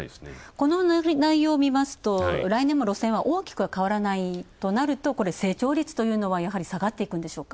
この内容をみますと来年も路線は大きくは変わらないとなるとこれ成長率は下がっていくんでしょうか。